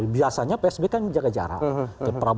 biasanya pak s b kan jaga jarak